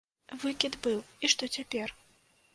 Выкід быў, і што цяпер?